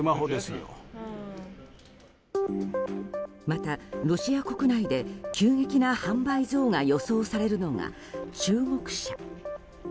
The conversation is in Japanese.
また、ロシア国内で急激な販売増が予想されるのが中国車。